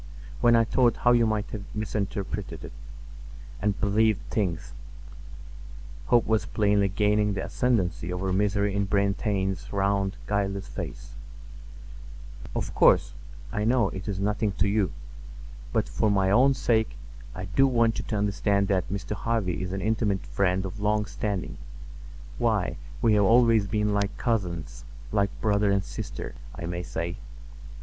When I thought how you might have misinterpreted it, and believed things"—hope was plainly gaining the ascendancy over misery in Brantain's round, guileless face—"Of course, I know it is nothing to you, but for my own sake I do want you to understand that Mr. Harvy is an intimate friend of long standing. Why, we have always been like cousins—like brother and sister, I may say.